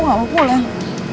aku gak mau pulang